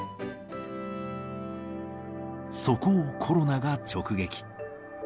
そこをコロナが直撃。